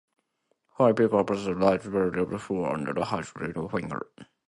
Holly picked up the ladybird off the floor and held it on her finger.